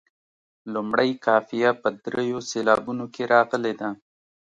لومړۍ قافیه په دریو سېلابونو کې راغلې ده.